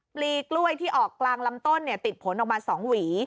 ปลีกล้วยที่ออกกลางลำต้นติดผลออกมา๒หวี